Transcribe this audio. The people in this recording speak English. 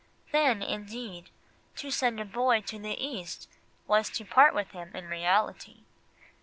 Then, indeed, to send a boy to the East was to part with him in reality.